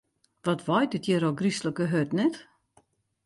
Wat waait it hjir ôfgryslike hurd, net?